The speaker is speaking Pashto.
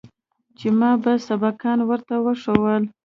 چې ما به سبقان ورته ښوول.